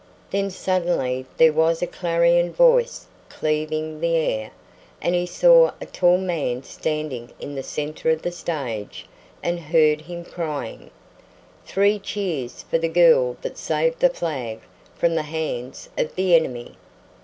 Then suddenly there was a clarion voice cleaving the air, and he saw a tall man standing in the centre of the stage and heard him crying: "THREE CHEERS FOR THE GIRL THAT SAVED THE FLAG FROM THE HANDS OF THE ENEMY!"